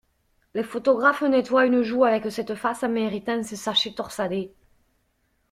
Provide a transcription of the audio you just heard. Les photographes nettoient une joue avec cette face en méritant ce sachet torsadé.